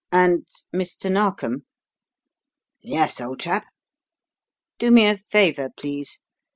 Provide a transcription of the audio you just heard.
And, Mr. Narkom!" "Yes, old chap?" "Do me a favour, please.